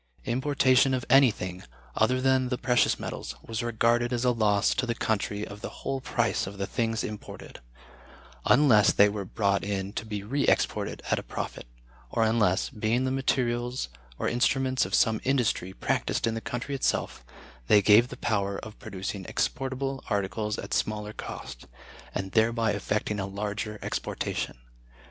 Importation of anything, other than the precious metals, was regarded as a loss to the nation of the whole price of the things imported; unless they were brought in to be re exported at a profit, or unless, being the materials or instruments of some industry practiced in the country itself, they gave the power of producing exportable articles at smaller cost, and thereby effecting a larger exportation.